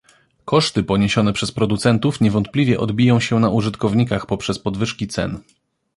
Koszty poniesione przez producentów niewątpliwie odbiją się na użytkownikach poprzez podwyżki cen